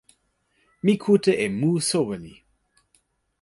mi kute e mu soweli.